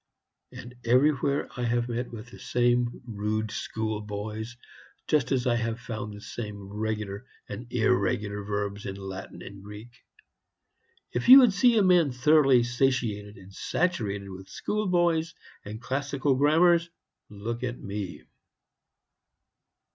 And everywhere I have met with the same rude schoolboys, just as I have found the same regular and irregular verbs in Latin and Greek. If you would see a man thoroughly satiated and saturated with schoolboys and classical grammars, look at me.